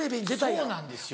そうなんですよ。